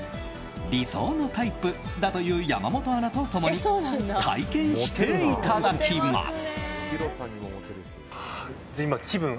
理想のタイプだという山本アナと共に体験していただきます。